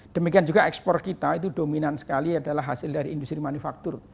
demikian juga ekspor kita itu dominan sekali adalah hasil dari industri manufaktur